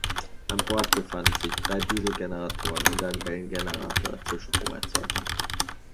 An Bord befanden sich drei Dieselgeneratoren und ein Wellengenerator zur Stromerzeugung.